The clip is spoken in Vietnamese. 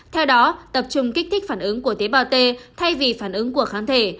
theo đó tập trung kích thích phản ứng của tế bào t thay vì phản ứng của kháng thể